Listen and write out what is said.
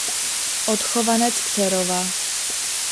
Odchovanec Přerova.